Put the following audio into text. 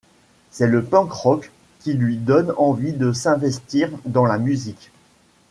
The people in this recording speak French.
C'est le punk rock qui lui donne envie de s'investir dans la musique.